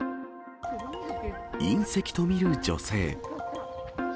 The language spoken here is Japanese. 隕石と見る女性。